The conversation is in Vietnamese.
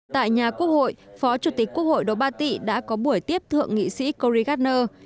tại nhà quốc hội phó chủ tịch quốc hội đỗ ba tị đã có buổi tiếp thượng nghị sĩ corey gardner